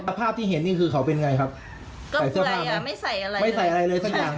ภาพที่เห็นนี่คือเขาเป็นไงครับก็ใส่เสื้อผ้าไม่ใส่อะไรไม่ใส่อะไรเลยสักอย่าง